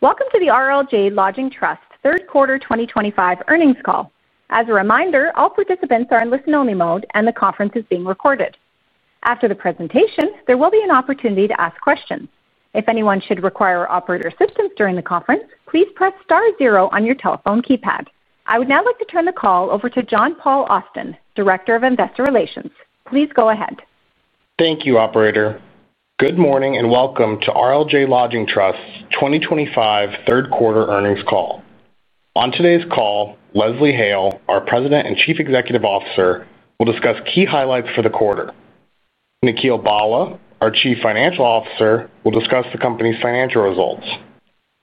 Welcome to the RLJ Lodging Trust third quarter 2025 earnings call. As a reminder, all participants are in listen-only mode, and the conference is being recorded. After the presentation, there will be an opportunity to ask questions. If anyone should require operator assistance during the conference, please press star zero on your telephone keypad. I would now like to turn the call over to John Paul Austin, Director of Investor Relations. Please go ahead. Thank you, Operator. Good morning and welcome to RLJ Lodging Trust's 2025 third quarter earnings call. On today's call, Leslie Hale, our President and Chief Executive Officer, will discuss key highlights for the quarter. Nikhil Bhalla, our Chief Financial Officer, will discuss the company's financial results.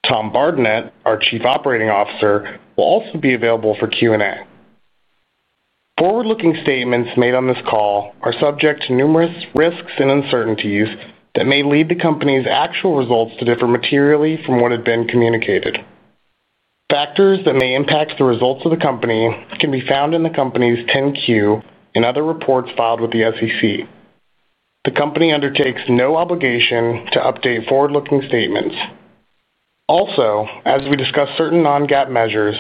Tom Bardenett, our Chief Operating Officer, will also be available for Q&A. Forward-looking statements made on this call are subject to numerous risks and uncertainties that may lead the company's actual results to differ materially from what had been communicated. Factors that may impact the results of the company can be found in the company's 10-Q and other reports filed with the SEC. The company undertakes no obligation to update forward-looking statements. Also, as we discuss certain non-GAAP measures,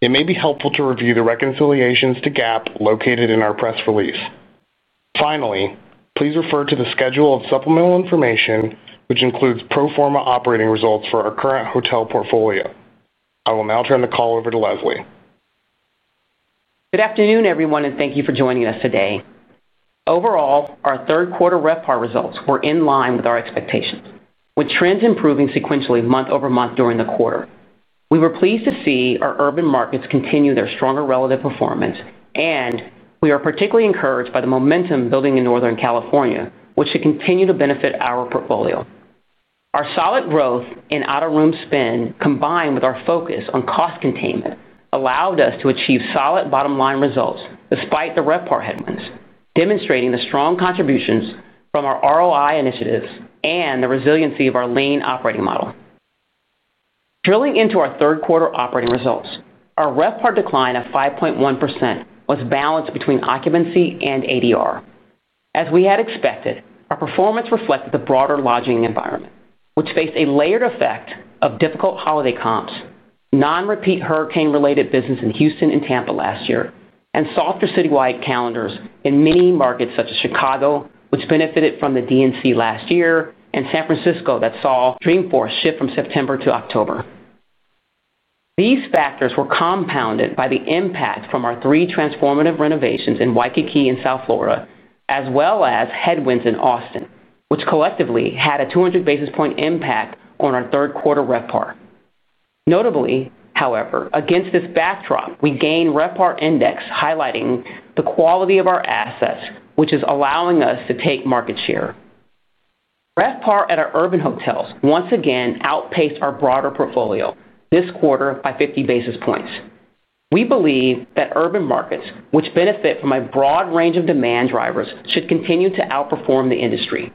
it may be helpful to review the reconciliations to GAAP located in our press release. Finally, please refer to the schedule of supplemental information, which includes pro forma operating results for our current hotel portfolio. I will now turn the call over to Leslie. Good afternoon, everyone, and thank you for joining us today. Overall, our third quarter RevPAR results were in line with our expectations, with trends improving sequentially month over month during the quarter. We were pleased to see our urban markets continue their stronger relative performance, and we are particularly encouraged by the momentum building in Northern California, which should continue to benefit our portfolio. Our solid growth in out-of-room spend, combined with our focus on cost containment, allowed us to achieve solid bottom-line results despite the RevPAR headwinds, demonstrating the strong contributions from our ROI initiatives and the resiliency of our lean operating model. Drilling into our third quarter operating results, our RevPAR decline of 5.1% was balanced between occupancy and ADR. As we had expected, our performance reflected the broader lodging environment, which faced a layered effect of difficult holiday comps, non-repeat hurricane-related business in Houston and Tampa last year, and softer citywide calendars in many markets such as Chicago, which benefited from the D&C last year, and San Francisco that saw Dreamforce shift from September to October. These factors were compounded by the impact from our three transformative renovations in Waikiki and South Florida, as well as headwinds in Austin, which collectively had a 200 basis point impact on our third quarter RevPAR. Notably, however, against this backdrop, we gained RevPAR index, highlighting the quality of our assets, which is allowing us to take market share. RevPAR at our urban hotels once again outpaced our broader portfolio this quarter by 50 basis points. We believe that urban markets, which benefit from a broad range of demand drivers, should continue to outperform the industry.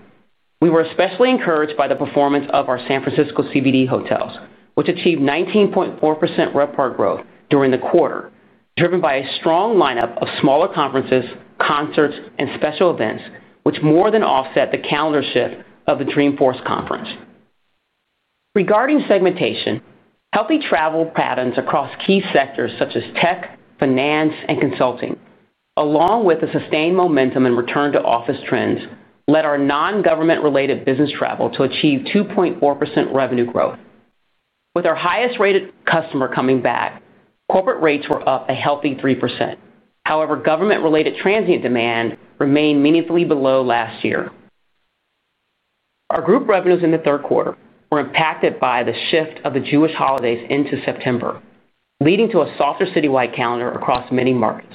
We were especially encouraged by the performance of our San Francisco CBD hotels, which achieved 19.4% RevPAR growth during the quarter, driven by a strong lineup of smaller conferences, concerts, and special events, which more than offset the calendar shift of the Dreamforce conference. Regarding segmentation, healthy travel patterns across key sectors such as tech, finance, and consulting, along with the sustained momentum in return-to-office trends, led our non-government-related business travel to achieve 2.4% revenue growth. With our highest-rated customer coming back, corporate rates were up a healthy 3%. However, government-related transient demand remained meaningfully below last year. Our group revenues in the third quarter were impacted by the shift of the Jewish holidays into September, leading to a softer citywide calendar across many markets.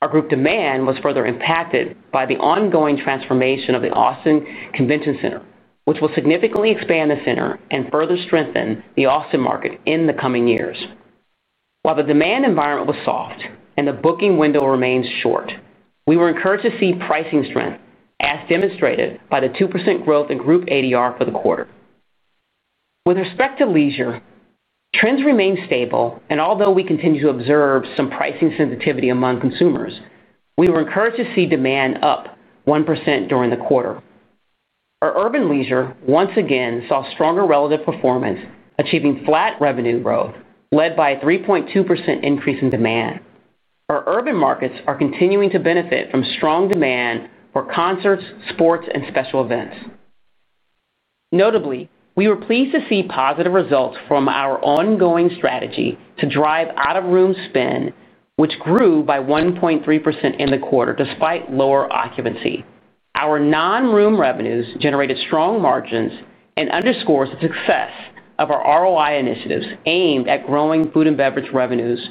Our group demand was further impacted by the ongoing transformation of the Austin Convention Center, which will significantly expand the center and further strengthen the Austin market in the coming years. While the demand environment was soft and the booking window remained short, we were encouraged to see pricing strength, as demonstrated by the 2% growth in group ADR for the quarter. With respect to leisure, trends remained stable, and although we continue to observe some pricing sensitivity among consumers, we were encouraged to see demand up 1% during the quarter. Our urban leisure once again saw stronger relative performance, achieving flat revenue growth, led by a 3.2% increase in demand. Our urban markets are continuing to benefit from strong demand for concerts, sports, and special events. Notably, we were pleased to see positive results from our ongoing strategy to drive out-of-room spend, which grew by 1.3% in the quarter despite lower occupancy. Our non-room revenues generated strong margins and underscore the success of our ROI initiatives aimed at growing food and beverage revenues,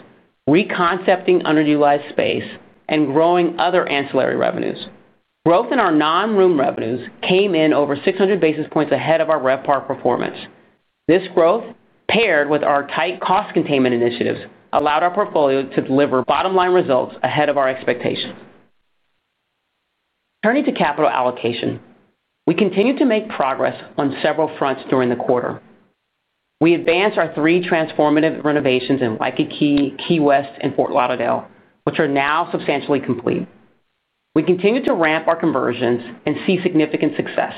reconcepting underutilized space, and growing other ancillary revenues. Growth in our non-room revenues came in over 600 basis points ahead of our RevPAR performance. This growth, paired with our tight cost containment initiatives, allowed our portfolio to deliver bottom-line results ahead of our expectations. Turning to capital allocation, we continued to make progress on several fronts during the quarter. We advanced our three transformative renovations in Waikiki, Key West, and Fort Lauderdale, which are now substantially complete. We continue to ramp our conversions and see significant success,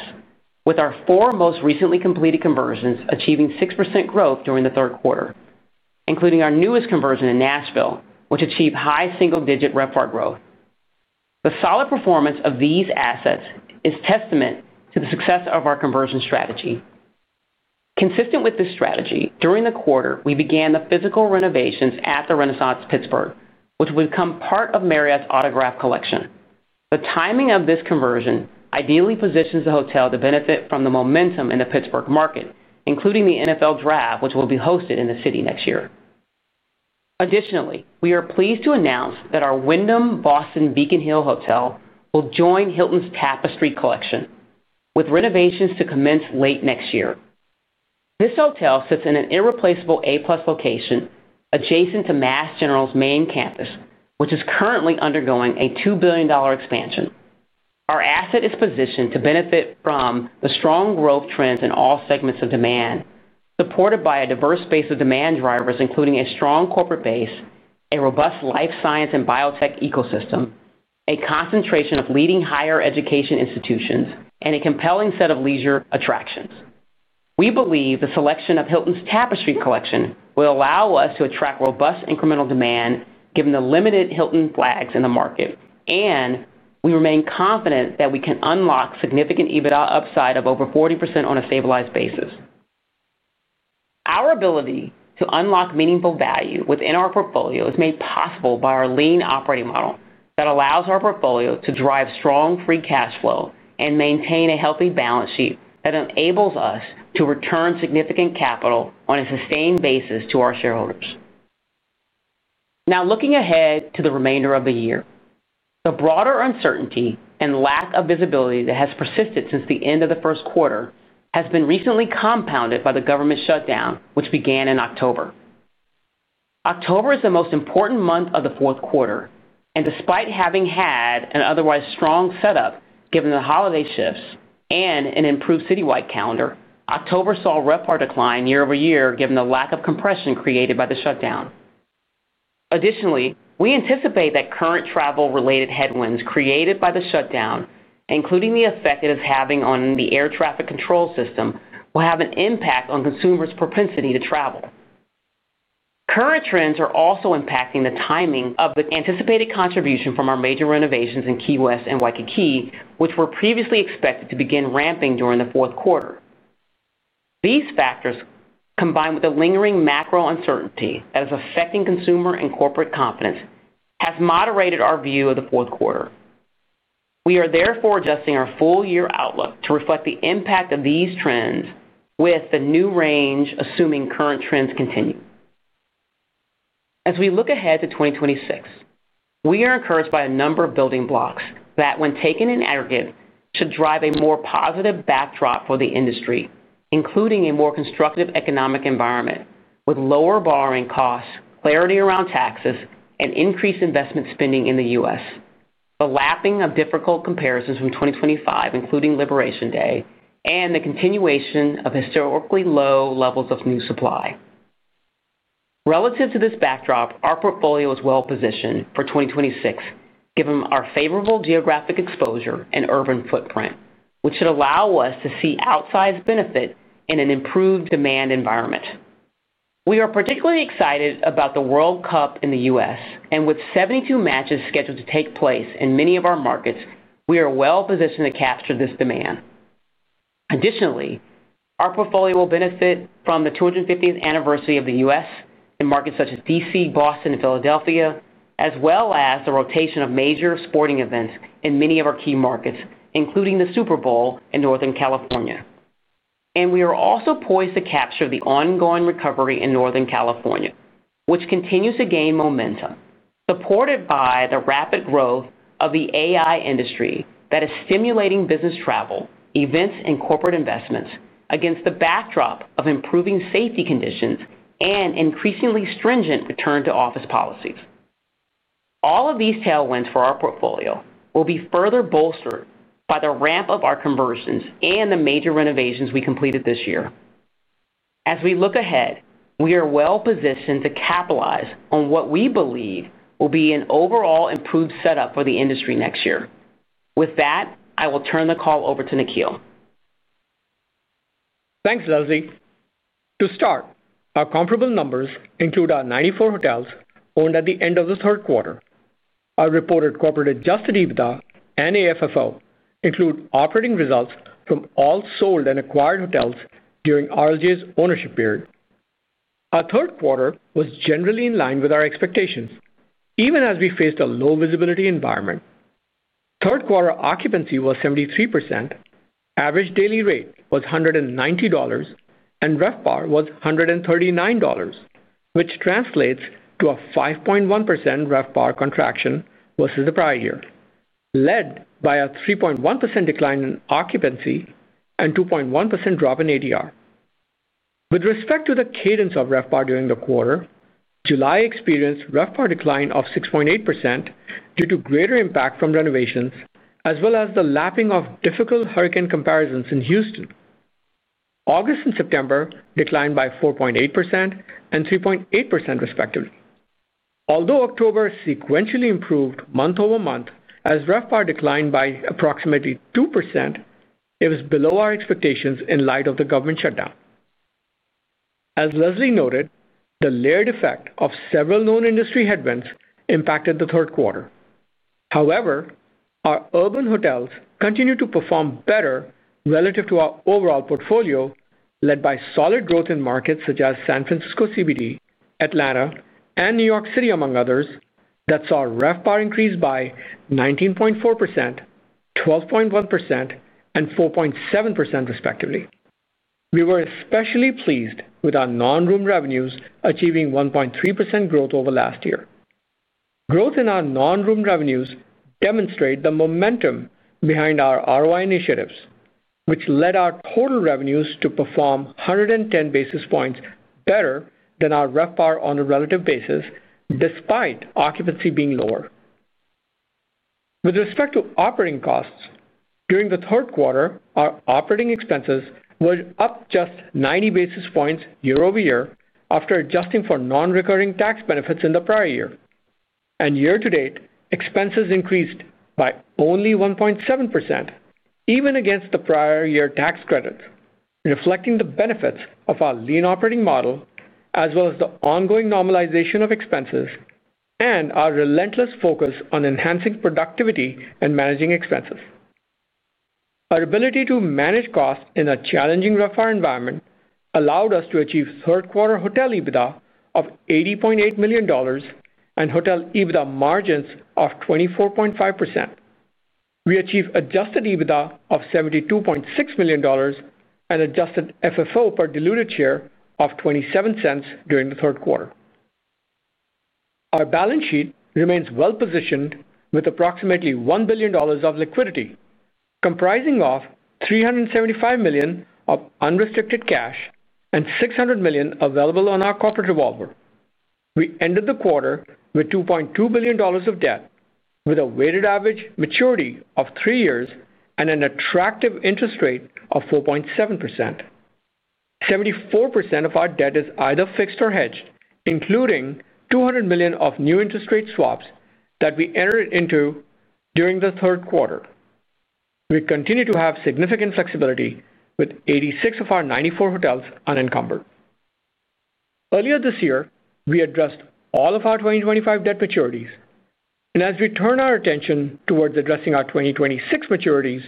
with our four most recently completed conversions achieving 6% growth during the third quarter, including our newest conversion in Nashville, which achieved high single-digit RevPAR growth. The solid performance of these assets is testament to the success of our conversion strategy. Consistent with this strategy, during the quarter, we began the physical renovations at the Renaissance Pittsburgh, which will become part of Marriott's Autograph Collection. The timing of this conversion ideally positions the hotel to benefit from the momentum in the Pittsburgh market, including the NFL Draft, which will be hosted in the city next year. Additionally, we are pleased to announce that our Wyndham Boston Beacon Hill hotel will join Hilton's Tapestry Collection, with renovations to commence late next year. This hotel sits in an irreplaceable A+ location adjacent to Mass General's main campus, which is currently undergoing a $2 billion expansion. Our asset is positioned to benefit from the strong growth trends in all segments of demand, supported by a diverse base of demand drivers, including a strong corporate base, a robust life science and biotech ecosystem, a concentration of leading higher education institutions, and a compelling set of leisure attractions. We believe the selection of Hilton's Tapestry Collection will allow us to attract robust incremental demand, given the limited Hilton flags in the market, and we remain confident that we can unlock significant EBITDA upside of over 40% on a stabilized basis. Our ability to unlock meaningful value within our portfolio is made possible by our lean operating model that allows our portfolio to drive strong free cash flow and maintain a healthy balance sheet that enables us to return significant capital on a sustained basis to our shareholders. Now, looking ahead to the remainder of the year, the broader uncertainty and lack of visibility that has persisted since the end of the first quarter has been recently compounded by the government shutdown, which began in October. October is the most important month of the fourth quarter, and despite having had an otherwise strong setup given the holiday shifts and an improved citywide calendar, October saw RevPAR decline year-over-year given the lack of compression created by the shutdown. Additionally, we anticipate that current travel-related headwinds created by the shutdown, including the effect it is having on the air traffic control system, will have an impact on consumers' propensity to travel. Current trends are also impacting the timing of the anticipated contribution from our major renovations in Key West and Waikiki, which were previously expected to begin ramping during the fourth quarter. These factors, combined with the lingering macro uncertainty that is affecting consumer and corporate confidence, have moderated our view of the fourth quarter. We are therefore adjusting our full-year outlook to reflect the impact of these trends with the new range assuming current trends continue. As we look ahead to 2026, we are encouraged by a number of building blocks that, when taken in aggregate, should drive a more positive backdrop for the industry, including a more constructive economic environment with lower borrowing costs, clarity around taxes, and increased investment spending in the U.S., the lapping of difficult comparisons from 2025, including Liberation Day, and the continuation of historically low levels of new supply. Relative to this backdrop, our portfolio is well-positioned for 2026, given our favorable geographic exposure and urban footprint, which should allow us to see outsized benefit in an improved demand environment. We are particularly excited about the World Cup in the U.S., and with 72 matches scheduled to take place in many of our markets, we are well-positioned to capture this demand. Additionally, our portfolio will benefit from the 250th anniversary of the U.S. In markets such as D.C., Boston, and Philadelphia, as well as the rotation of major sporting events in many of our key markets, including the Super Bowl in Northern California. We are also poised to capture the ongoing recovery in Northern California, which continues to gain momentum, supported by the rapid growth of the AI industry that is stimulating business travel, events, and corporate investments against the backdrop of improving safety conditions and increasingly stringent return-to-office policies. All of these tailwinds for our portfolio will be further bolstered by the ramp of our conversions and the major renovations we completed this year. As we look ahead, we are well-positioned to capitalize on what we believe will be an overall improved setup for the industry next year. With that, I will turn the call over to Nikhil. Thanks, Leslie. To start, our comparable numbers include our 94 hotels owned at the end of the third quarter. Our reported corporate adjusted EBITDA and AFFO include operating results from all sold and acquired hotels during RLJ's ownership period. Our third quarter was generally in line with our expectations, even as we faced a low visibility environment. Third quarter occupancy was 73%. Average daily rate was $190. And RevPAR was $139, which translates to a 5.1% RevPAR contraction versus the prior year, led by a 3.1% decline in occupancy and 2.1% drop in ADR. With respect to the cadence of RevPAR during the quarter, July experienced RevPAR decline of 6.8% due to greater impact from renovations, as well as the lapping of difficult hurricane comparisons in Houston. August and September declined by 4.8% and 3.8%, respectively. Although October sequentially improved month over month as RevPAR declined by approximately 2%, it was below our expectations in light of the government shutdown. As Leslie noted, the layered effect of several known industry headwinds impacted the third quarter. However, our urban hotels continued to perform better relative to our overall portfolio, led by solid growth in markets such as San Francisco CBD, Atlanta, and New York City, among others, that saw RevPAR increase by 19.4%, 12.1%, and 4.7%, respectively. We were especially pleased with our non-room revenues achieving 1.3% growth over last year. Growth in our non-room revenues demonstrated the momentum behind our ROI initiatives, which led our total revenues to perform 110 basis points better than our RevPAR on a relative basis, despite occupancy being lower. With respect to operating costs, during the third quarter, our operating expenses were up just 90 basis points year-over-year after adjusting for non-recurring tax benefits in the prior year. Year to date, expenses increased by only 1.7%, even against the prior year tax credits, reflecting the benefits of our lean operating model, as well as the ongoing normalization of expenses and our relentless focus on enhancing productivity and managing expenses. Our ability to manage costs in a challenging RevPAR environment allowed us to achieve third quarter hotel EBITDA of $80.8 million and hotel EBITDA margins of 24.5%. We achieved adjusted EBITDA of $72.6 million and adjusted FFO per diluted share of $0.27 during the third quarter. Our balance sheet remains well-positioned with approximately $1 billion of liquidity, comprising $375 million of unrestricted cash and $600 million available on our corporate revolver. We ended the quarter with $2.2 billion of debt, with a weighted average maturity of three years and an attractive interest rate of 4.7%. 74% of our debt is either fixed or hedged, including $200 million of new interest rate swaps that we entered into during the third quarter. We continue to have significant flexibility, with 86 of our 94 hotels unencumbered. Earlier this year, we addressed all of our 2025 debt maturities. As we turn our attention towards addressing our 2026 maturities,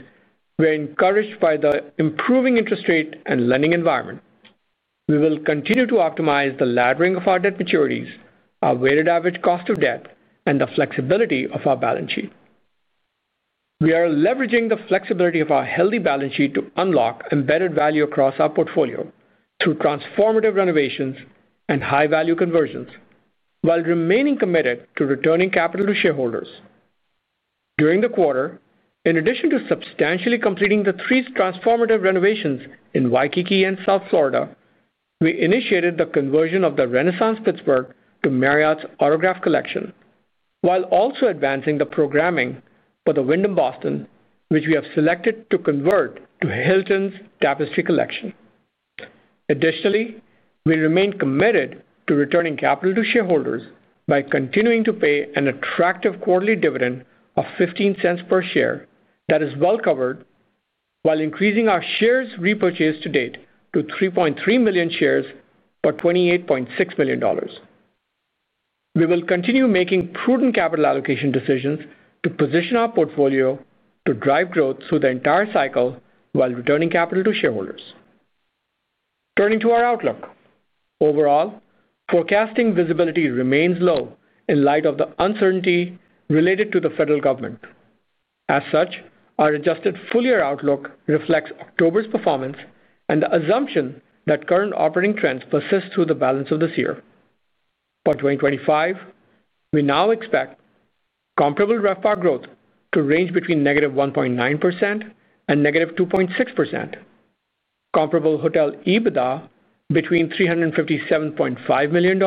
we are encouraged by the improving interest rate and lending environment. We will continue to optimize the laddering of our debt maturities, our weighted average cost of debt, and the flexibility of our balance sheet. We are leveraging the flexibility of our healthy balance sheet to unlock embedded value across our portfolio through transformative renovations and high-value conversions, while remaining committed to returning capital to shareholders. During the quarter, in addition to substantially completing the three transformative renovations in Waikiki and South Florida, we initiated the conversion of the Renaissance Pittsburgh to Marriott's Autograph Collection, while also advancing the programming for the Wyndham Boston, which we have selected to convert to Hilton's Tapestry Collection. Additionally, we remain committed to returning capital to shareholders by continuing to pay an attractive quarterly dividend of $0.15 per share that is well covered, while increasing our shares repurchase to date to 3.3 million shares for $28.6 million. We will continue making prudent capital allocation decisions to position our portfolio to drive growth through the entire cycle while returning capital to shareholders. Turning to our outlook, overall, forecasting visibility remains low in light of the uncertainty related to the federal government. As such, our adjusted full-year outlook reflects October's performance and the assumption that current operating trends persist through the balance of this year. For 2025, we now expect comparable RevPAR growth to range between -1.9% and -2.6%. Comparable hotel EBITDA between $357.5 million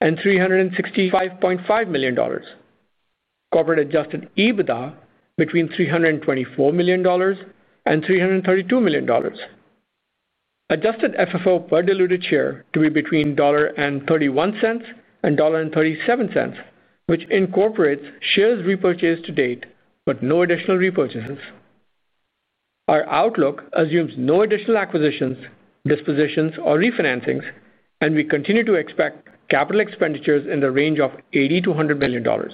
and $365.5 million. Corporate adjusted EBITDA between $324 million and $332 million. Adjusted FFO per diluted share to be between $1.31 and $1.37, which incorporates shares repurchased to date, but no additional repurchases. Our outlook assumes no additional acquisitions, dispositions, or refinancings, and we continue to expect capital expenditures in the range of $80 million-$100 million.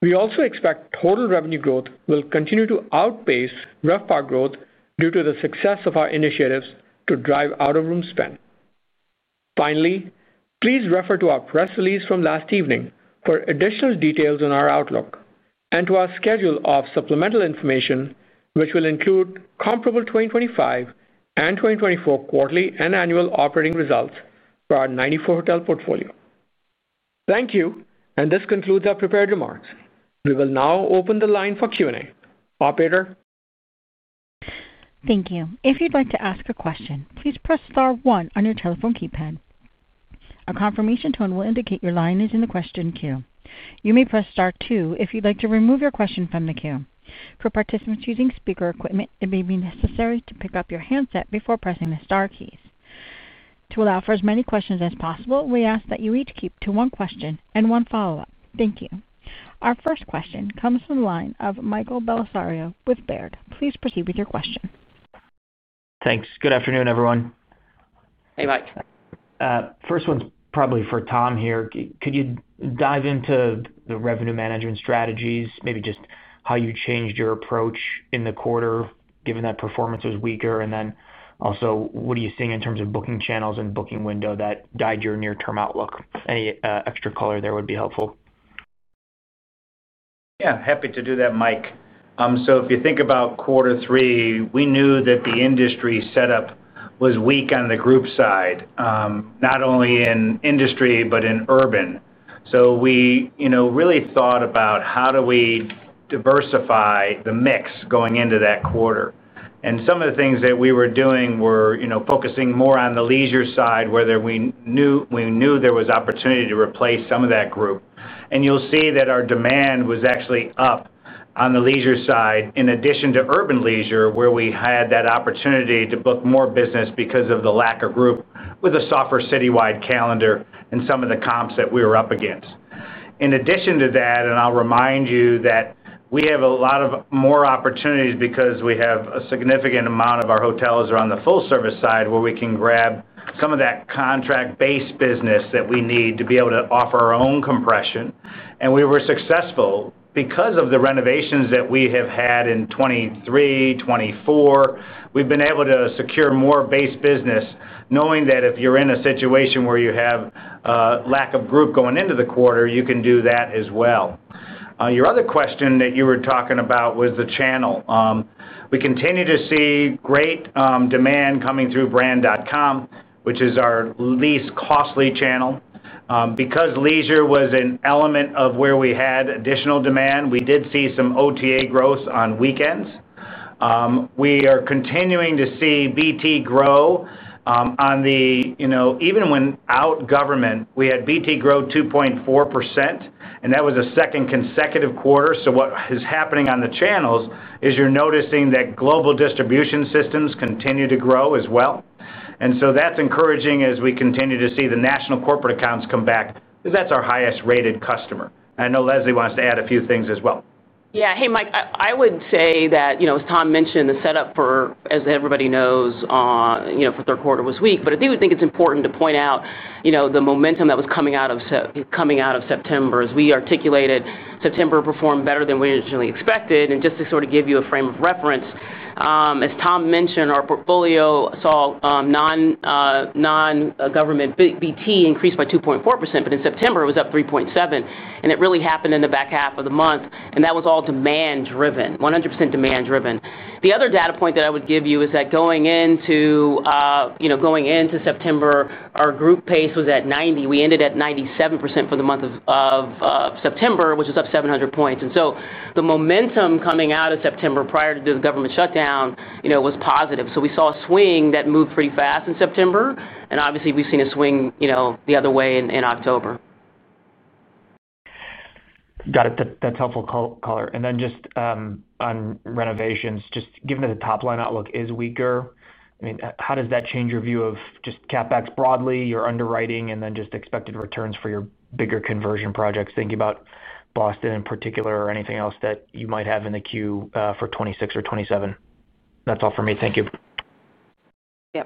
We also expect total revenue growth will continue to outpace RevPAR growth due to the success of our initiatives to drive out-of-room spend. Finally, please refer to our press release from last evening for additional details on our outlook and to our schedule of supplemental information, which will include comparable 2025 and 2024 quarterly and annual operating results for our 94 hotel portfolio. Thank you, and this concludes our prepared remarks. We will now open the line for Q&A. Operator. Thank you. If you'd like to ask a question, please press star one on your telephone keypad. A confirmation tone will indicate your line is in the question queue. You may press star two if you'd like to remove your question from the queue. For participants using speaker equipment, it may be necessary to pick up your handset before pressing the star keys. To allow for as many questions as possible, we ask that you each keep to one question and one follow-up. Thank you. Our first question comes from the line of Michael Bellisario with Baird. Please proceed with your question. Thanks. Good afternoon, everyone. Hey, Mike. First one's probably for Tom here. Could you dive into the revenue management strategies, maybe just how you changed your approach in the quarter, given that performance was weaker? What are you seeing in terms of booking channels and booking window that guide your near-term outlook? Any extra color there would be helpful. Yeah, happy to do that, Mike. If you think about quarter three, we knew that the industry setup was weak on the group side, not only in industry but in urban. We really thought about how do we diversify the mix going into that quarter. Some of the things that we were doing were focusing more on the leisure side, where we knew there was opportunity to replace some of that group. You'll see that our demand was actually up on the leisure side, in addition to urban leisure, where we had that opportunity to book more business because of the lack of group with a softer citywide calendar and some of the comps that we were up against. In addition to that, I'll remind you that we have a lot more opportunities because we have a significant amount of our hotels on the full-service side, where we can grab some of that contract-based business that we need to be able to offer our own compression. We were successful because of the renovations that we have had in 2023, 2024. We've been able to secure more base business, knowing that if you're in a situation where you have a lack of group going into the quarter, you can do that as well. Your other question that you were talking about was the channel. We continue to see great demand coming through brand.com, which is our least costly channel. Because leisure was an element of where we had additional demand, we did see some OTA growth on weekends. We are continuing to see BT grow. Even without government, we had BT grow 2.4%, and that was a second consecutive quarter. What is happening on the channels is you're noticing that global distribution systems continue to grow as well. That is encouraging as we continue to see the national corporate accounts come back, because that's our highest-rated customer. I know Leslie wants to add a few things as well. Yeah. Hey, Mike, I would say that, as Tom mentioned, the setup, as everybody knows, for third quarter was weak. I do think it's important to point out the momentum that was coming out of September. As we articulated, September performed better than we originally expected. Just to sort of give you a frame of reference, as Tom mentioned, our portfolio saw non-government BT increase by 2.4%, but in September, it was up 3.7%. It really happened in the back half of the month. That was all demand-driven, 100% demand-driven. The other data point that I would give you is that going into September, our group pace was at 90%. We ended at 97% for the month of September, which was up 700 basis points. The momentum coming out of September prior to the government shutdown was positive. We saw a swing that moved pretty fast in September. Obviously, we've seen a swing the other way in October. Got it. That's helpful color. And then just on renovations, just given that the top-line outlook is weaker, I mean, how does that change your view of just CapEx broadly, your underwriting, and then just expected returns for your bigger conversion projects, thinking about Boston in particular or anything else that you might have in the queue for 2026 or 2027? That's all for me. Thank you. Yeah.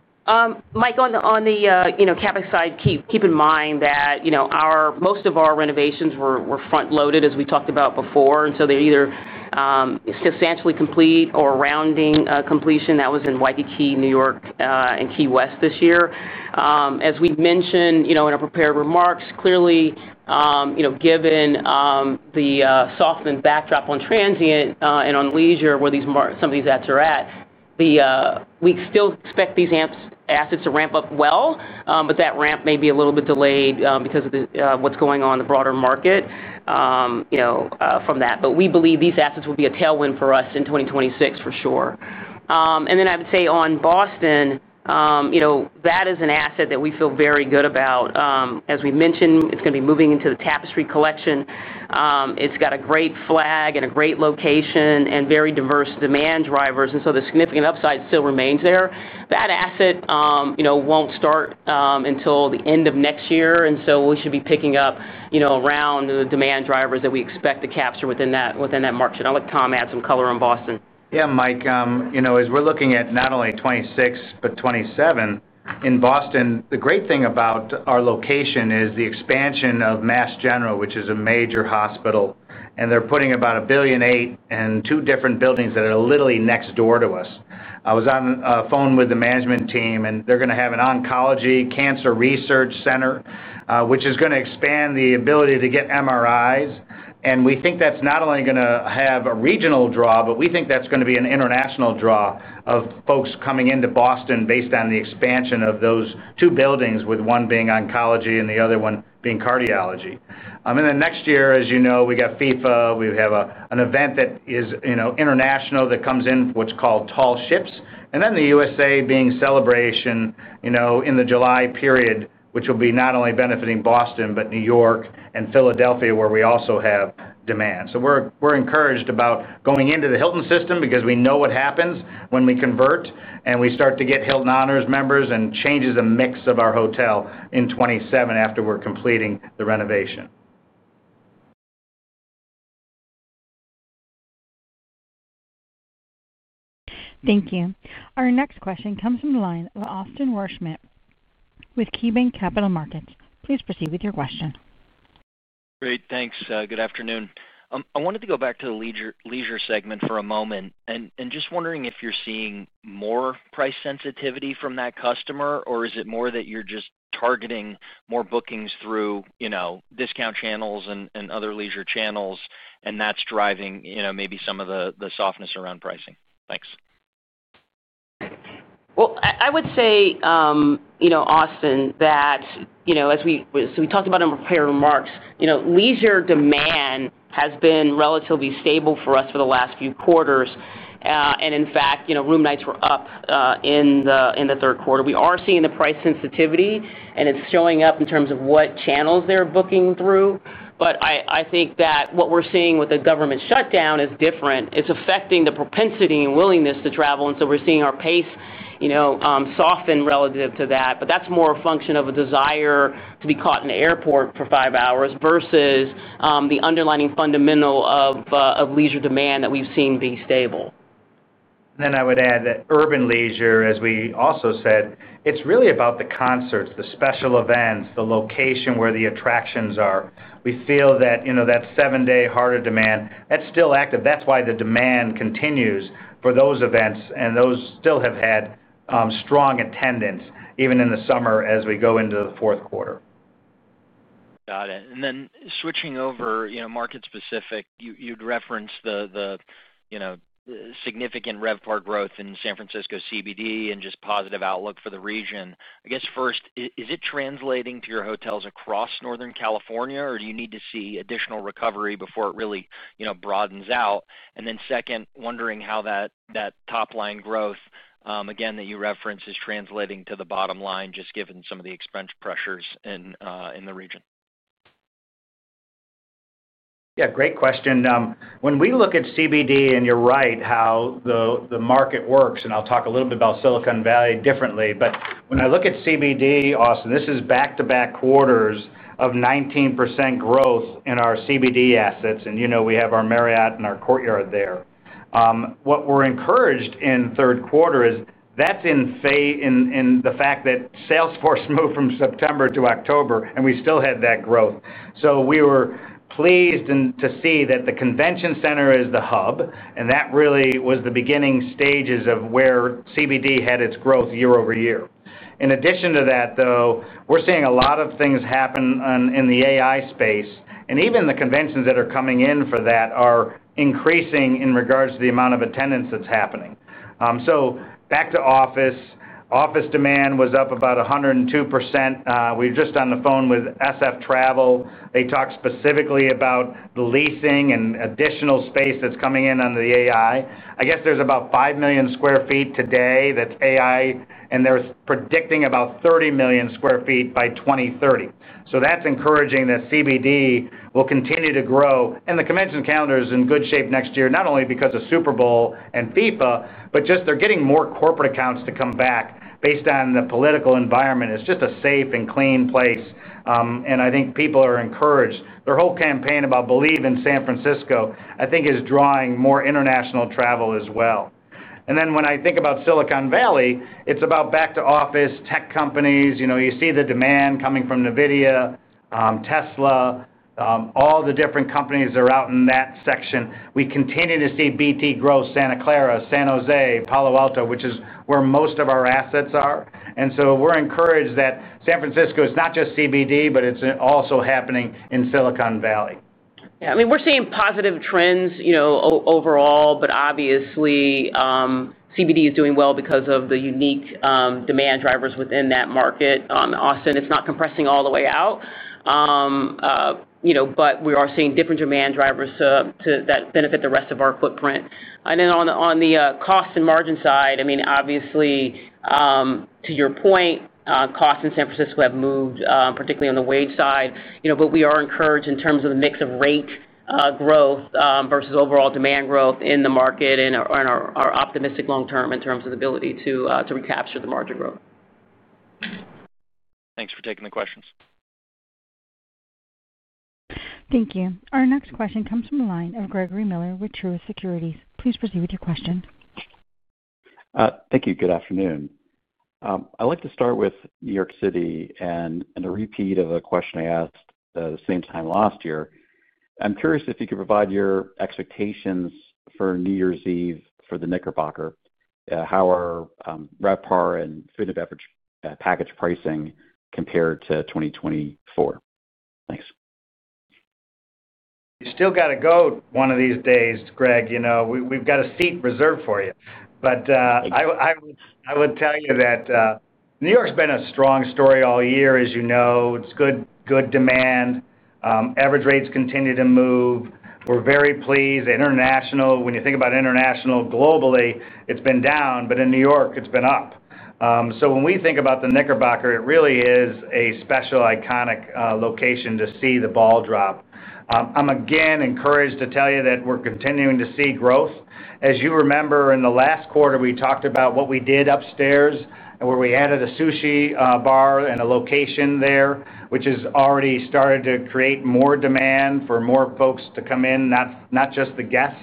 Mike, on the CapEx side, keep in mind that most of our renovations were front-loaded, as we talked about before. They are either substantially complete or rounding completion. That was in Waikiki, New York, and Key West this year. As we mentioned in our prepared remarks, clearly, given the softened backdrop on transient and on leisure, where some of these assets are at, we still expect these assets to ramp up well, but that ramp may be a little bit delayed because of what is going on in the broader market. From that, we believe these assets will be a tailwind for us in 2026, for sure. I would say on Boston, that is an asset that we feel very good about. As we mentioned, it is going to be moving into the Hilton's Tapestry Collection. It's got a great flag and a great location and very diverse demand drivers. The significant upside still remains there. That asset won't start until the end of next year. We should be picking up around the demand drivers that we expect to capture within that market. I'll let Tom add some color on Boston. Yeah, Mike. As we're looking at not only 2026 but 2027, in Boston, the great thing about our location is the expansion of Mass General, which is a major hospital. And they're putting about $1.8 billion in two different buildings that are literally next door to us. I was on the phone with the management team, and they're going to have an oncology cancer research center, which is going to expand the ability to get MRIs. And we think that's not only going to have a regional draw, but we think that's going to be an international draw of folks coming into Boston based on the expansion of those two buildings, with one being oncology and the other one being cardiology. Next year, as you know, we got FIFA. We have an event that is international that comes in what's called Tall Ships. The U.S.A. being celebration in the July period, which will be not only benefiting Boston but New York and Philadelphia, where we also have demand. We are encouraged about going into the Hilton system because we know what happens when we convert and we start to get Hilton Honors members and it changes the mix of our hotel in 2027 after we are completing the renovation. Thank you. Our next question comes from the line of Austin Wurschmidt with KeyBanc Capital Markets. Please proceed with your question. Great. Thanks. Good afternoon. I wanted to go back to the leisure segment for a moment and just wondering if you're seeing more price sensitivity from that customer, or is it more that you're just targeting more bookings through discount channels and other leisure channels, and that's driving maybe some of the softness around pricing? Thanks. I would say, Austin, that as we talked about in prepared remarks, leisure demand has been relatively stable for us for the last few quarters. In fact, room nights were up in the third quarter. We are seeing the price sensitivity, and it is showing up in terms of what channels they are booking through. I think that what we are seeing with the government shutdown is different. It is affecting the propensity and willingness to travel. We are seeing our pace soften relative to that. That is more a function of a desire to not be caught in the airport for five hours versus the underlying fundamental of leisure demand that we have seen be stable. I would add that urban leisure, as we also said, it's really about the concerts, the special events, the location where the attractions are. We feel that that seven-day harder demand, that's still active. That's why the demand continues for those events, and those still have had strong attendance even in the summer as we go into the fourth quarter. Got it. Then switching over market-specific, you'd reference the significant RevPAR growth in San Francisco CBD and just positive outlook for the region. I guess first, is it translating to your hotels across Northern California, or do you need to see additional recovery before it really broadens out? Then second, wondering how that top-line growth, again, that you reference, is translating to the bottom line, just given some of the expense pressures in the region. Yeah, great question. When we look at CBD, and you're right how the market works, and I'll talk a little bit about Silicon Valley differently, but when I look at CBD, Austin, this is back-to-back quarters of 19% growth in our CBD assets. And we have our Marriott and our Courtyard there. What we're encouraged in third quarter is that's in. The fact that salesforce moved from September to October, and we still had that growth. We were pleased to see that the convention center is the hub, and that really was the beginning stages of where CBD had its growth year-over-year. In addition to that, though, we're seeing a lot of things happen in the AI space, and even the conventions that are coming in for that are increasing in regards to the amount of attendance that's happening. Back to office, office demand was up about 102%. We were just on the phone with SF Travel. They talked specifically about the leasing and additional space that is coming in on the AI. I guess there is about 5 million sq ft today that is AI, and they are predicting about 30 million sq ft by 2030. That is encouraging that CBD will continue to grow. The convention calendar is in good shape next year, not only because of Super Bowl and FIFA, but just they are getting more corporate accounts to come back based on the political environment. It is just a safe and clean place. I think people are encouraged. Their whole campaign about believe in San Francisco, I think, is drawing more international travel as well. When I think about Silicon Valley, it is about back-to-office tech companies. You see the demand coming from NVIDIA, Tesla, all the different companies that are out in that section. We continue to see BT grow: Santa Clara, San Jose, Palo Alto, which is where most of our assets are. We are encouraged that San Francisco is not just CBD, but it is also happening in Silicon Valley. Yeah. I mean, we're seeing positive trends overall, but obviously CBD is doing well because of the unique demand drivers within that market. Austin, it's not compressing all the way out. We are seeing different demand drivers that benefit the rest of our footprint. On the cost and margin side, I mean, obviously, to your point, costs in San Francisco have moved, particularly on the wage side. We are encouraged in terms of the mix of rate growth versus overall demand growth in the market and are optimistic long-term in terms of the ability to recapture the margin growth. Thanks for taking the questions. Thank you. Our next question comes from the line of Gregory Miller with Truist Securities. Please proceed with your question. Thank you. Good afternoon. I'd like to start with New York City and a repeat of a question I asked the same time last year. I'm curious if you could provide your expectations for New Year's Eve for the Knickerbocker, how are RevPAR and food and beverage package pricing compared to 2024? Thanks. You still got to go one of these days, Greg. We have got a seat reserved for you. I would tell you that New York has been a strong story all year, as you know. It is good demand. Average rates continue to move. We are very pleased. When you think about international globally, it has been down, but in New York, it has been up. When we think about the Knickerbocker, it really is a special iconic location to see the ball drop. I am again encouraged to tell you that we are continuing to see growth. As you remember, in the last quarter, we talked about what we did upstairs and where we added a sushi bar and a location there, which has already started to create more demand for more folks to come in, not just the guests.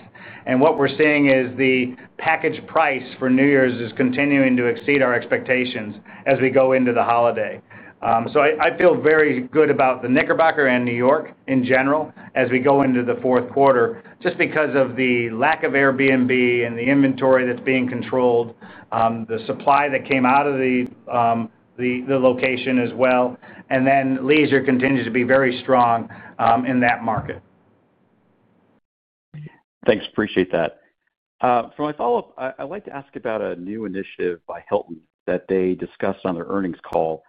What we're seeing is the package price for New Year's is continuing to exceed our expectations as we go into the holiday. I feel very good about the Knickerbocker and New York in general as we go into the fourth quarter, just because of the lack of Airbnb and the inventory that's being controlled, the supply that came out of the location as well. Leisure continues to be very strong in that market. Thanks. Appreciate that. For my follow-up, I'd like to ask about a new initiative by Hilton that they discussed on their earnings call,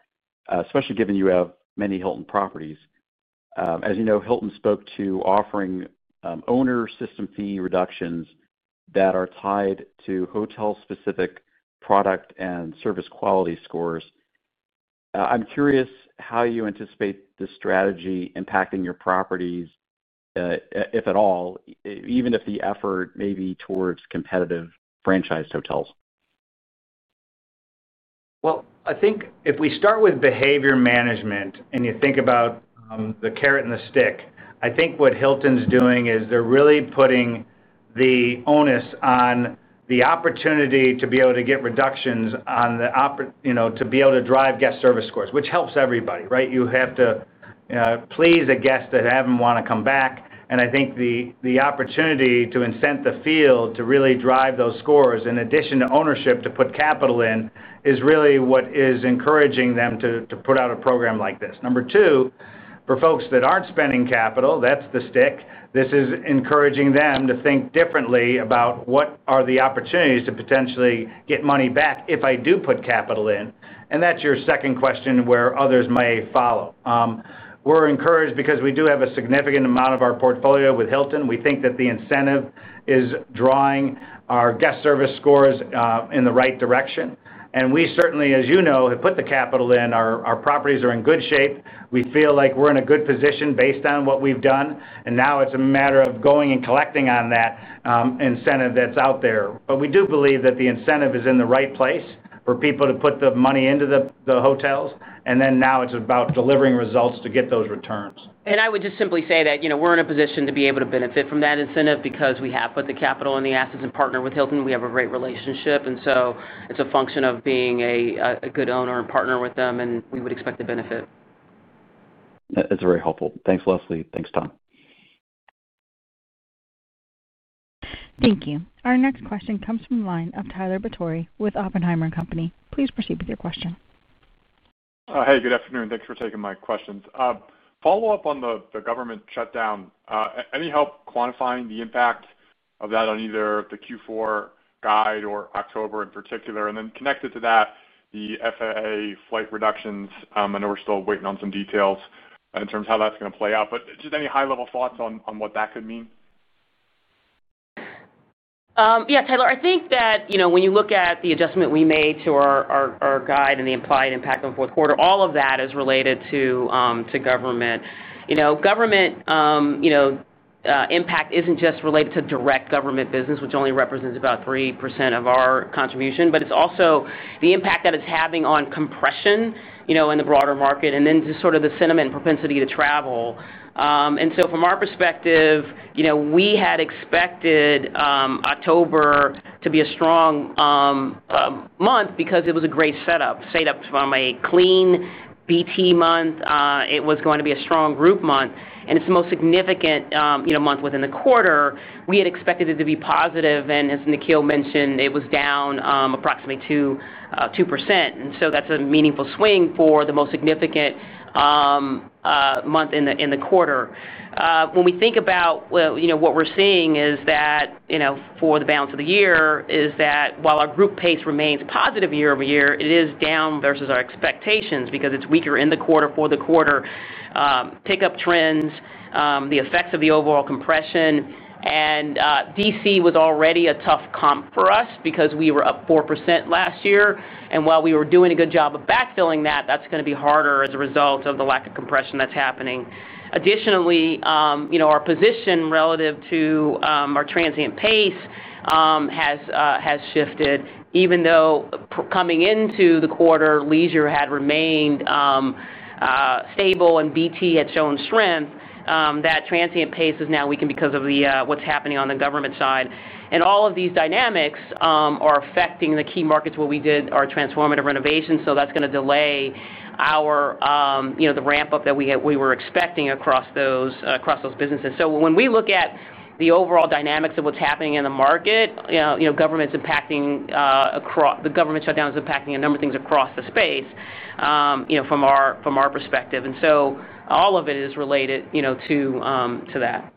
especially given you have many Hilton properties. As you know, Hilton spoke to offering owner system fee reductions that are tied to hotel-specific product and service quality scores. I'm curious how you anticipate this strategy impacting your properties. If at all, even if the effort may be towards competitive franchised hotels. I think if we start with behavior management and you think about the carrot and the stick, I think what Hilton's doing is they're really putting the onus on the opportunity to be able to get reductions on the. To be able to drive guest service scores, which helps everybody, right? You have to please a guest that doesn't want to come back. I think the opportunity to incent the field to really drive those scores, in addition to ownership, to put capital in, is really what is encouraging them to put out a program like this. Number two, for folks that aren't spending capital, that's the stick. This is encouraging them to think differently about what are the opportunities to potentially get money back if I do put capital in. That's your second question where others may follow. We're encouraged because we do have a significant amount of our portfolio with Hilton. We think that the incentive is drawing our guest service scores in the right direction. We certainly, as you know, have put the capital in. Our properties are in good shape. We feel like we're in a good position based on what we've done. Now it's a matter of going and collecting on that incentive that's out there. We do believe that the incentive is in the right place for people to put the money into the hotels. Now it's about delivering results to get those returns. I would just simply say that we're in a position to be able to benefit from that incentive because we have put the capital in the assets and partnered with Hilton. We have a great relationship. It is a function of being a good owner and partner with them, and we would expect to benefit. That's very helpful. Thanks, Leslie. Thanks, Tom. Thank you. Our next question comes from the line of Tyler Batory with Oppenheimer & Co. Please proceed with your question. Hey, good afternoon. Thanks for taking my questions. Follow-up on the government shutdown. Any help quantifying the impact of that on either the Q4 guide or October in particular? Connected to that, the FAA flight reductions. I know we're still waiting on some details in terms of how that's going to play out. Just any high-level thoughts on what that could mean? Yeah, Tyler, I think that when you look at the adjustment we made to our guide and the implied impact on the fourth quarter, all of that is related to government. Government impact is not just related to direct government business, which only represents about 3% of our contribution, but it is also the impact that it is having on compression in the broader market and then just sort of the sentiment and propensity to travel. From our perspective, we had expected October to be a strong month because it was a great setup from a clean BT month, it was going to be a strong group month, and it is the most significant month within the quarter. We had expected it to be positive. As Nikhil mentioned, it was down approximately 2%. That is a meaningful swing for the most significant month in the quarter. When we think about what we're seeing is that for the balance of the year, while our group pace remains positive year-over-year, it is down versus our expectations because it's weaker in the quarter for the quarter. Pickup trends, the effects of the overall compression. D.C. was already a tough comp for us because we were up 4% last year. While we were doing a good job of backfilling that, that's going to be harder as a result of the lack of compression that's happening. Additionally, our position relative to our transient pace has shifted. Even though coming into the quarter, leisure had remained stable and BT had shown strength, that transient pace is now weakened because of what's happening on the government side. All of these dynamics are affecting the key markets where we did our transformative renovation. That's going to delay the ramp-up that we were expecting across those businesses. When we look at the overall dynamics of what's happening in the market, government's impacting. The government shutdown is impacting a number of things across the space from our perspective, and all of it is related to that.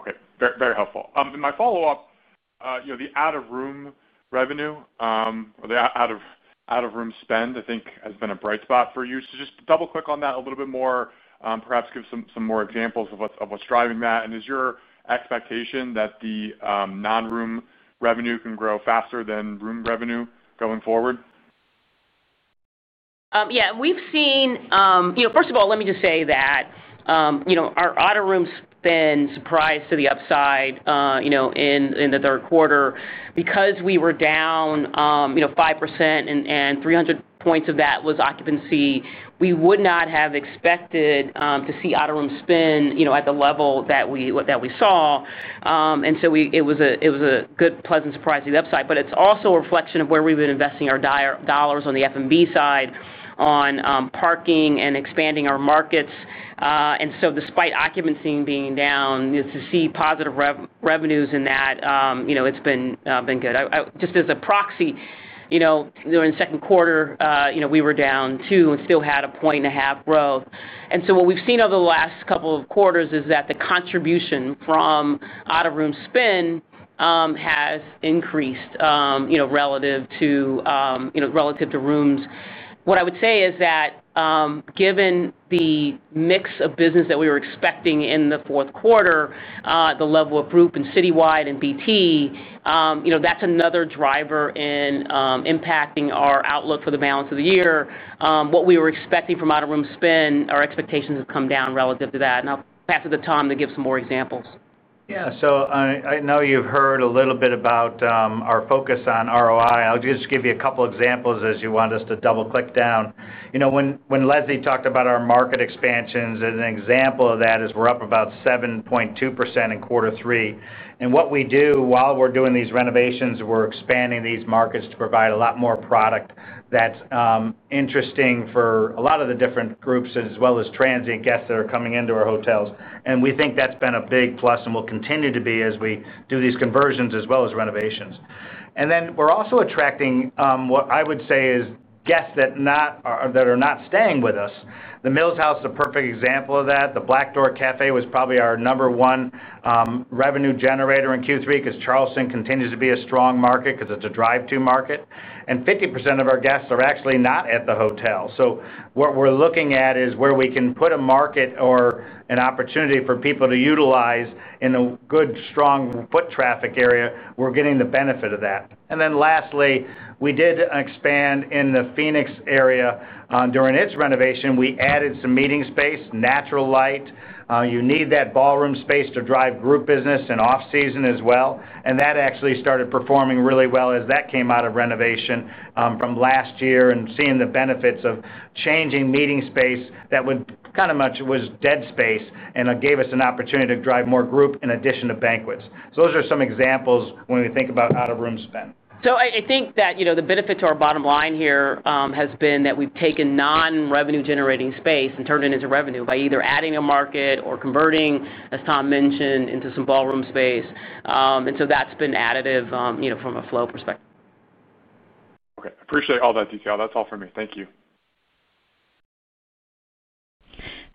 Okay. Very helpful. In my follow-up, the out-of-room revenue or the out-of-room spend, I think, has been a bright spot for you. Just double-click on that a little bit more, perhaps give some more examples of what's driving that. Is your expectation that the non-room revenue can grow faster than room revenue going forward? Yeah. We've seen, first of all, let me just say that. Our auto room spend surprised to the upside in the third quarter. Because we were down 5% and 300 basis points of that was occupancy, we would not have expected to see auto room spend at the level that we saw. It was a good, pleasant surprise to the upside. It is also a reflection of where we've been investing our dollars on the F&B side, on parking, and expanding our markets. Despite occupancy being down, to see positive revenues in that, it's been good. Just as a proxy, during the second quarter, we were down two and still had a point and a half growth. What we've seen over the last couple of quarters is that the contribution from auto room spend has increased relative to rooms. What I would say is that. Given the mix of business that we were expecting in the fourth quarter, the level of group and citywide and BT, that's another driver in impacting our outlook for the balance of the year. What we were expecting from auto room spend, our expectations have come down relative to that. I'll pass it to Tom to give some more examples. Yeah. I know you've heard a little bit about our focus on ROI. I'll just give you a couple of examples as you want us to double-click down. When Leslie talked about our market expansions, an example of that is we're up about 7.2% in quarter three. What we do while we're doing these renovations, we're expanding these markets to provide a lot more product that's interesting for a lot of the different groups as well as transient guests that are coming into our hotels. We think that's been a big plus and will continue to be as we do these conversions as well as renovations. We're also attracting what I would say is guests that are not staying with us. The Mills House is a perfect example of that. The Black Door Cafe was probably our number one. Revenue generator in Q3 because Charleston continues to be a strong market because it's a drive-through market. And 50% of our guests are actually not at the hotel. So what we're looking at is where we can put a market or an opportunity for people to utilize in a good, strong foot traffic area, we're getting the benefit of that. Lastly, we did expand in the Phoenix area. During its renovation, we added some meeting space, natural light. You need that ballroom space to drive group business in off-season as well. That actually started performing really well as that came out of renovation from last year and seeing the benefits of changing meeting space that was kind of much dead space and gave us an opportunity to drive more group in addition to banquets. Those are some examples when we think about out-of-room spend. I think that the benefit to our bottom line here has been that we've taken non-revenue-generating space and turned it into revenue by either adding a market or converting, as Tom mentioned, into some ballroom space. That has been additive from a flow perspective. Okay. Appreciate all that detail. That's all for me. Thank you.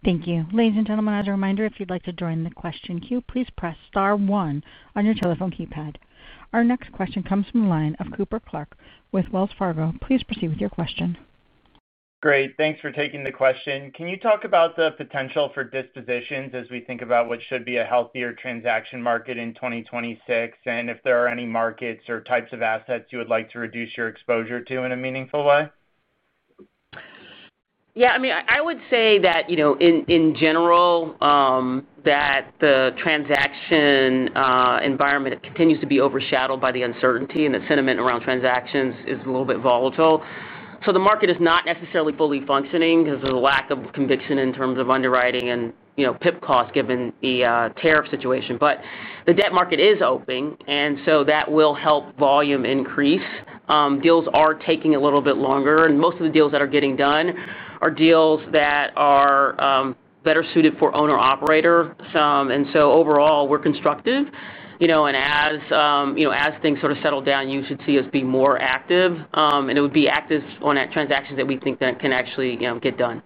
Thank you. Ladies and gentlemen, as a reminder, if you'd like to join the question queue, please press star one on your telephone keypad. Our next question comes from the line of Cooper Clark with Wells Fargo. Please proceed with your question. Great. Thanks for taking the question. Can you talk about the potential for dispositions as we think about what should be a healthier transaction market in 2026 and if there are any markets or types of assets you would like to reduce your exposure to in a meaningful way? Yeah. I mean, I would say that. In general, the transaction environment continues to be overshadowed by the uncertainty and the sentiment around transactions is a little bit volatile. The market is not necessarily fully functioning because of the lack of conviction in terms of underwriting and PIP costs given the tariff situation. The debt market is open, and that will help volume increase. Deals are taking a little bit longer. Most of the deals that are getting done are deals that are better suited for owner-operator. Overall, we're constructive. As things sort of settle down, you should see us be more active. It would be active on transactions that we think that can actually get done.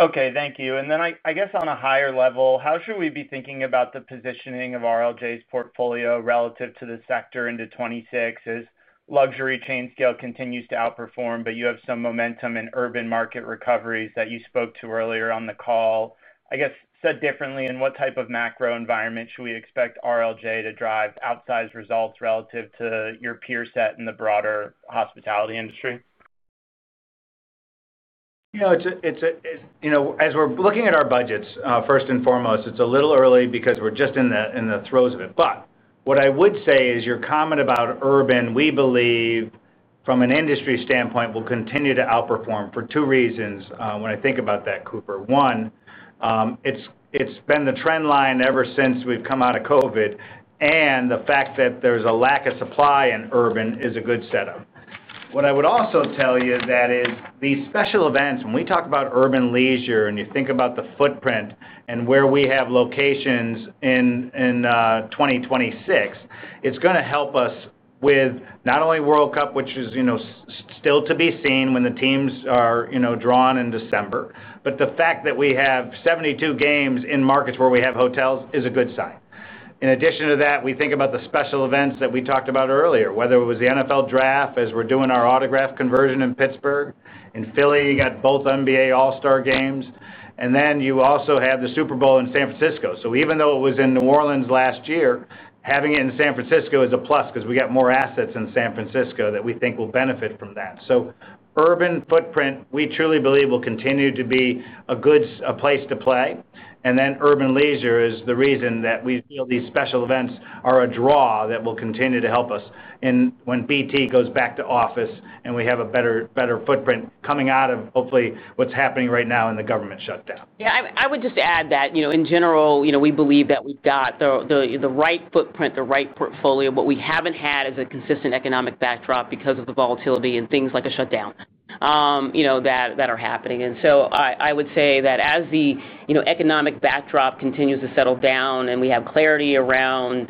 Okay. Thank you. Then I guess on a higher level, how should we be thinking about the positioning of RLJ Lodging Trust's portfolio relative to the sector into 2026? As luxury chain scale continues to outperform, but you have some momentum in urban market recoveries that you spoke to earlier on the call. I guess said differently, in what type of macro environment should we expect RLJ Lodging Trust to drive outsized results relative to your peer set in the broader hospitality industry? You know, as we're looking at our budgets, first and foremost, it's a little early because we're just in the throes of it. What I would say is your comment about urban, we believe, from an industry standpoint, will continue to outperform for two reasons when I think about that, Cooper. One, it's been the trend line ever since we've come out of COVID, and the fact that there's a lack of supply in urban is a good setup. What I would also tell you is that these special events, when we talk about urban leisure and you think about the footprint and where we have locations in 2026, it's going to help us with not only World Cup, which is. Still to be seen when the teams are drawn in December, but the fact that we have 72 games in markets where we have hotels is a good sign. In addition to that, we think about the special events that we talked about earlier, whether it was the NFL Draft, as we're doing our Autograph conversion in Pittsburgh. In Philly, you got both NBA All-Star games. You also have the Super Bowl in San Francisco. Even though it was in New Orleans last year, having it in San Francisco is a plus because we got more assets in San Francisco that we think will benefit from that. Urban footprint, we truly believe, will continue to be a good place to play. Urban leisure is the reason that we feel these special events are a draw that will continue to help us when BT goes back to office and we have a better footprint coming out of, hopefully, what's happening right now in the government shutdown. Yeah. I would just add that, in general, we believe that we've got the right footprint, the right portfolio. What we haven't had is a consistent economic backdrop because of the volatility and things like a shutdown that are happening. I would say that as the economic backdrop continues to settle down and we have clarity around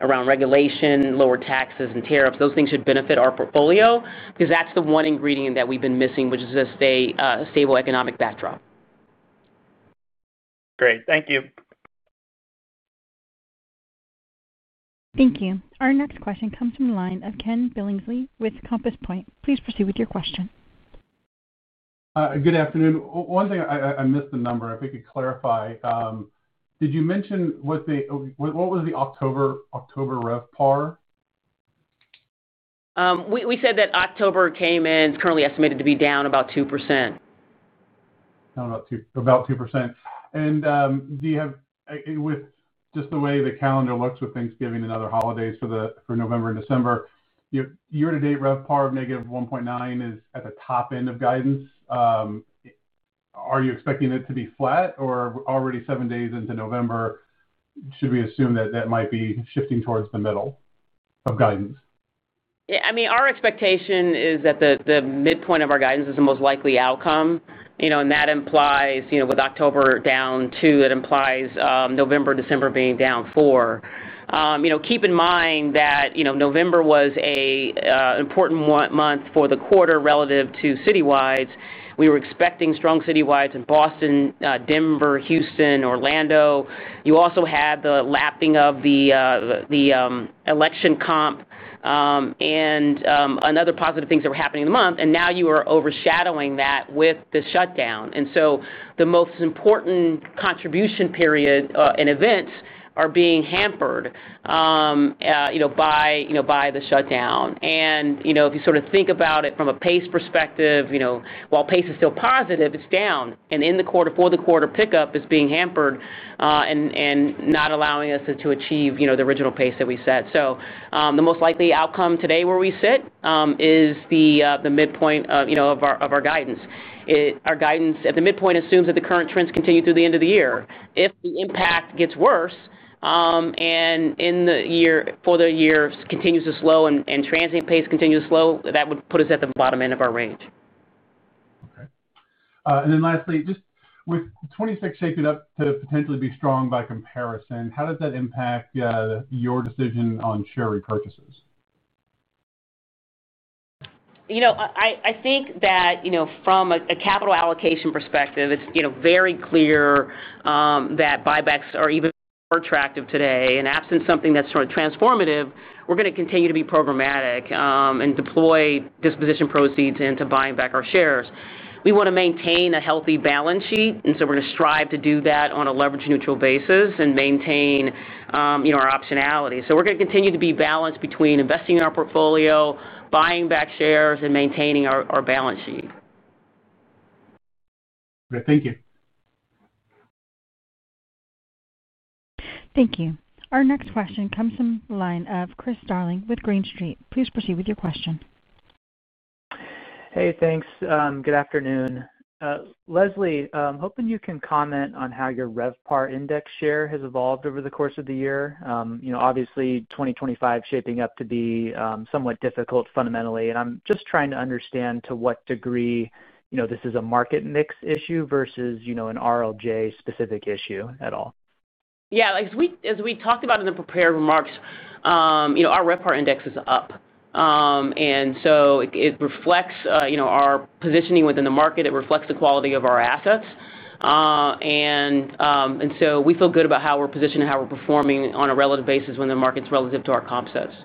regulation, lower taxes, and tariffs, those things should benefit our portfolio because that's the one ingredient that we've been missing, which is a stable economic backdrop. Great. Thank you. Thank you. Our next question comes from the line of Ken Billingsley with Compass Point. Please proceed with your question. Good afternoon. One thing, I missed the number. If we could clarify. Did you mention what was the October RevPAR? We said that October came in, it's currently estimated to be down about 2%. Down about 2%. Do you have, with just the way the calendar looks with Thanksgiving and other holidays for November and December, year-to-date RevPAR of -1.9% is at the top end of guidance. Are you expecting it to be flat, or already seven days into November, should we assume that that might be shifting towards the middle of guidance? Yeah. I mean, our expectation is that the midpoint of our guidance is the most likely outcome. That implies, with October down 2%, it implies November, December being down 4%. Keep in mind that November was an important month for the quarter relative to citywides. We were expecting strong citywides in Boston, Denver, Houston, Orlando. You also had the lapping of the election comp and another positive thing that were happening in the month. Now you are overshadowing that with the shutdown. The most important contribution period and events are being hampered by the shutdown. If you sort of think about it from a pace perspective, while pace is still positive, it is down. In the quarter, for the quarter, pickup is being hampered and not allowing us to achieve the original pace that we set. The most likely outcome today where we sit is the midpoint of our guidance. Our guidance at the midpoint assumes that the current trends continue through the end of the year. If the impact gets worse and for the year continues to slow and transient pace continues to slow, that would put us at the bottom end of our range. Okay. And then lastly, just with 2026 shaping up to potentially be strong by comparison, how does that impact your decision on share repurchases? I think that from a capital allocation perspective, it's very clear that buybacks are even more attractive today. Absent something that's sort of transformative, we're going to continue to be programmatic and deploy disposition proceeds into buying back our shares. We want to maintain a healthy balance sheet. We're going to strive to do that on a leverage-neutral basis and maintain our optionality. We're going to continue to be balanced between investing in our portfolio, buying back shares, and maintaining our balance sheet. Okay. Thank you. Thank you. Our next question comes from the line of Chris Darling with Green Street. Please proceed with your question. Hey, thanks. Good afternoon. Leslie, I'm hoping you can comment on how your RevPAR index share has evolved over the course of the year. Obviously, 2025 shaping up to be somewhat difficult fundamentally. I'm just trying to understand to what degree this is a market mix issue versus an RLJ Lodging Trust-specific issue at all. Yeah. As we talked about in the prepared remarks, our RevPAR index is up. It reflects our positioning within the market. It reflects the quality of our assets. We feel good about how we're positioned and how we're performing on a relative basis when the market's relative to our comp sets. Okay.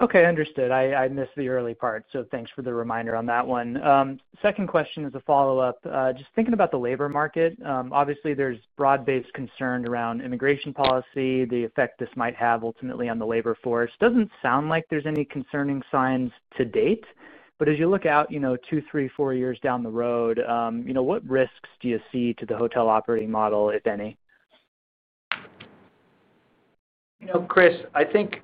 Understood. I missed the early part. Thanks for the reminder on that one. Second question is a follow-up. Just thinking about the labor market, obviously, there's broad-based concern around immigration policy, the effect this might have ultimately on the labor force. Does not sound like there's any concerning signs to date. As you look out two, three, four years down the road, what risks do you see to the hotel operating model, if any? Chris, I think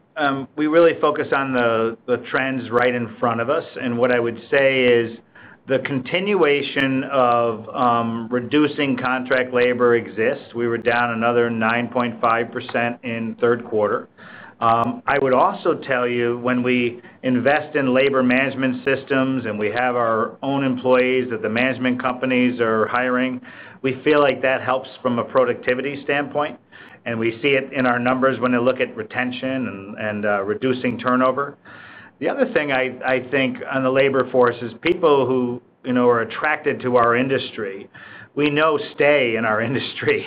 we really focus on the trends right in front of us. What I would say is the continuation of reducing contract labor exists. We were down another 9.5% in third quarter. I would also tell you, when we invest in labor management systems and we have our own employees that the management companies are hiring, we feel like that helps from a productivity standpoint. We see it in our numbers when they look at retention and reducing turnover. The other thing I think on the labor force is people who are attracted to our industry. We know stay in our industry.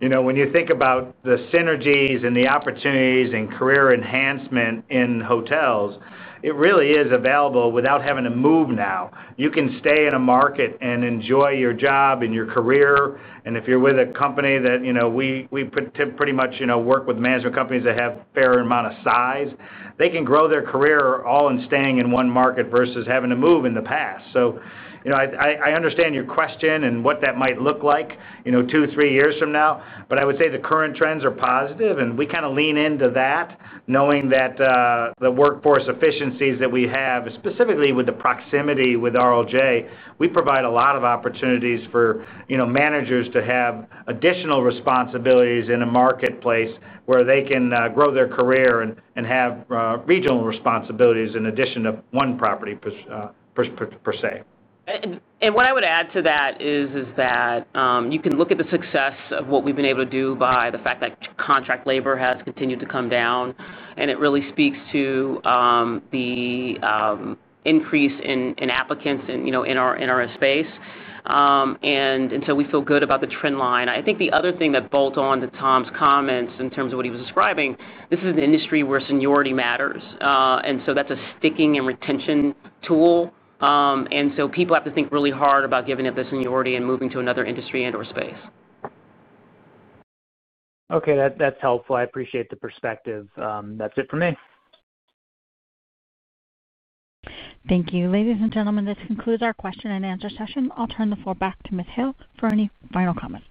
When you think about the synergies and the opportunities and career enhancement in hotels, it really is available without having to move now. You can stay in a market and enjoy your job and your career. If you're with a company that, we pretty much work with management companies that have a fair amount of size, they can grow their career all in staying in one market versus having to move in the past. I understand your question and what that might look like two, three years from now. I would say the current trends are positive. We kind of lean into that, knowing that the workforce efficiencies that we have, specifically with the proximity with RLJ Lodging Trust, we provide a lot of opportunities for managers to have additional responsibilities in a marketplace where they can grow their career and have regional responsibilities in addition to one property, per se. What I would add to that is that you can look at the success of what we've been able to do by the fact that contract labor has continued to come down. It really speaks to the increase in applicants in our space. We feel good about the trend line. I think the other thing that bolts on to Tom's comments in terms of what he was describing, this is an industry where seniority matters. That is a sticking and retention tool. People have to think really hard about giving up their seniority and moving to another industry and/or space. Okay. That's helpful. I appreciate the perspective. That's it for me. Thank you. Ladies and gentlemen, this concludes our question and answer session. I'll turn the floor back to Ms. Hale for any final comments.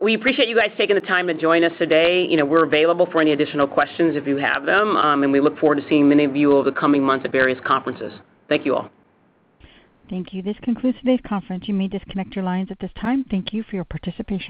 We appreciate you guys taking the time to join us today. We're available for any additional questions if you have them. We look forward to seeing many of you over the coming months at various conferences. Thank you all. Thank you. This concludes today's conference. You may disconnect your lines at this time. Thank you for your participation.